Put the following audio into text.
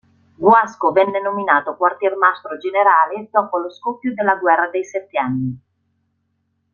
Guasco venne nominato quartiermastro generale dopo lo scoppio della Guerra dei Sette anni.